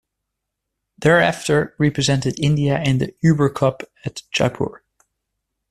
Thereafter, represented India in the Uber Cup at Jaipur.